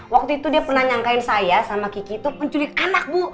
waktu itu dia pernah nyangkain saya sama kiki itu penculik anak bu